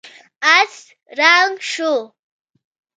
آس ړنګ شو.